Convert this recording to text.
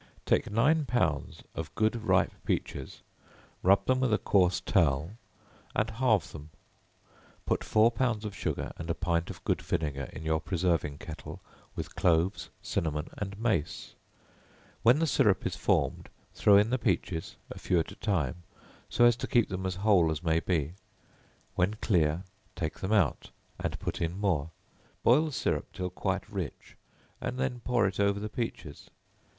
Take nine pounds of good ripe peaches, rub them with a course towel, and halve them; put four pounds of sugar and a pint of good vinegar in your preserving kettle, with cloves, cinnamon and mace; when the syrup is formed, throw in the peaches, a few at a time, so as to keep them as whole as may be; when clear, take them out and put in more; boil the syrup till quite rich, and then pour it over the peaches.